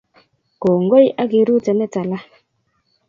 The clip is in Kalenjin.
kongoi akiruten netala